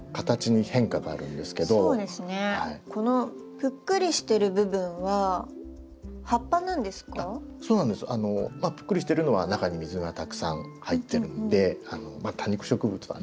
ぷっくりしてるのは中に水がたくさん入ってるので多肉植物はね